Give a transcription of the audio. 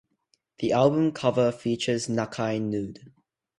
The album cover features Nakai nude.